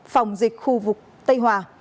phòng dịch khu vực tây hòa